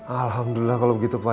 alhamdulillah kalo begitu pa